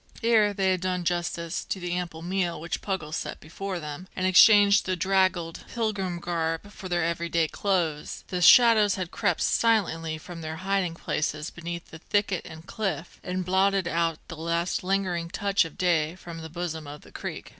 Ere they had done justice to the ample meal which Puggles set before them, and exchanged the draggled pilgrim garb for their everyday clothes, the shadows had crept silently from their hiding places beneath thicket and cliff, and blotted out the last lingering touch of day from the bosom of the creek.